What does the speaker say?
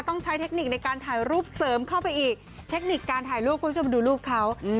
ต้องใช้เทคนิคในการถ่ายรูปเสริมเข้าไปอีกเทคนิคการถ่ายรูปคุณผู้ชมดูรูปเขา